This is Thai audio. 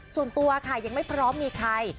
ส่วนตัวค่ะยังไม่พร้อมมีใคร